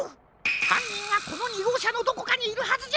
はんにんがこの２ごうしゃのどこかにいるはずじゃ！